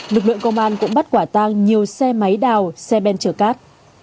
lực lượng công an cũng bắt quả tang nhiều xe máy đào xe ben chở cát